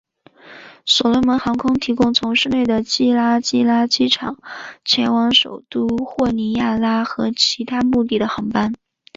所罗门航空提供从市内的基拉基拉机场前往首都霍尼亚拉和其他目的地的航班。